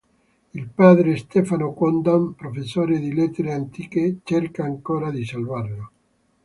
Il padre, Stefano Quondam, professore di lettere antiche, cerca ancora di salvarlo.